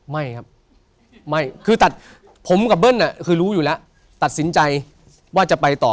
ไม่ครับไม่คือตัดผมกับเบิ้ลคือรู้อยู่แล้วตัดสินใจว่าจะไปต่อ